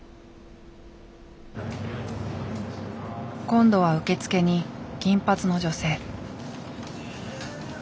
今度は受付に金髪の女性。